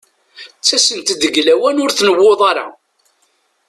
Ttasent-d deg lawan ur tnewwuḍ ara.